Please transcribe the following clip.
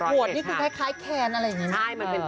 วดนี่คือคล้ายแคนอะไรอย่างนี้นะ